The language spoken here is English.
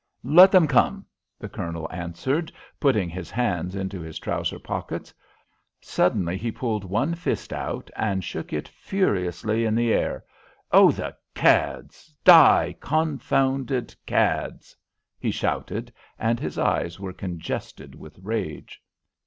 "Let them come!" the Colonel answered, putting his hands into his trouser pockets. Suddenly he pulled one fist out, and shook it furiously in the air. "Oh, the cads! the confounded cads!" he shouted, and his eyes were congested with rage.